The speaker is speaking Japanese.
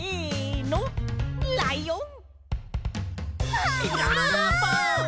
ライオン！